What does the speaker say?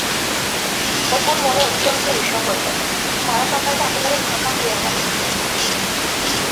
অপুর মনে অত্যন্ত ঈর্ষ হইল, সারা সকালটা একেবারে ফাঁকা হইয়া গেল!